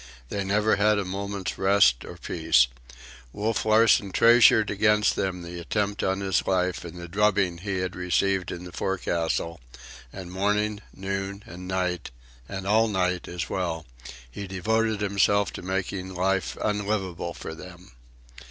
They never had a moment's rest or peace. Wolf Larsen treasured against them the attempt on his life and the drubbing he had received in the forecastle; and morning, noon, and night, and all night as well, he devoted himself to making life unlivable for them.